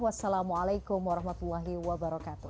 wassalamualaikum warahmatullahi wabarakatuh